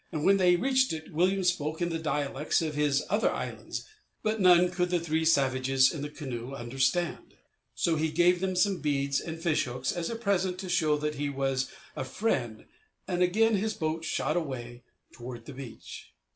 When they reached it, Williams spoke in the dialects of his other islands, but none could the three savages in the canoe understand. So he gave them some beads and fish hooks as a present to show that he was a friend and again his boat shot away toward the beach.